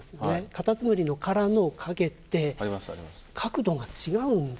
カタツムリの殻の影って角度が違うんですよね。